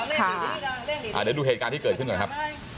เดี๋ยวดูเหตุการณ์ที่เกิดขึ้นก่อนครับ